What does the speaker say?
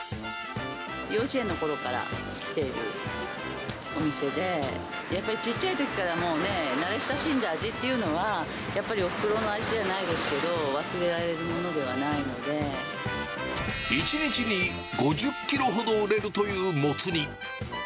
幼稚園のころから来ているお店で、やっぱりちっちゃいときからもうね、慣れ親しんだ味というのは、やっぱりおふくろの味じゃないですけど、１日に５０キロほど売れるというモツ煮。